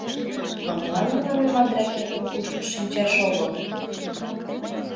А молан мыланемат ракетым кушкыж шинчаш огыл?